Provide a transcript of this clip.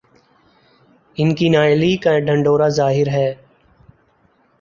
ان کی نااہلی کا ڈھنڈورا ظاہر ہے۔